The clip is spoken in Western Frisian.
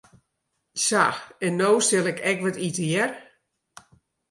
Sa, en no sil ik ek wat ite, hear.